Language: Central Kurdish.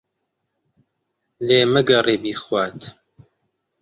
لێ مەگەڕێ بیخوات.